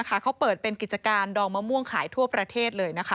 เขาเปิดเป็นกิจการดองมะม่วงขายทั่วประเทศเลยนะคะ